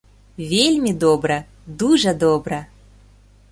Вельмі добра, дужа добра!